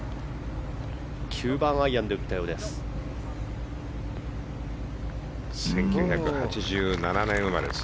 ９番アイアンで打ったようです。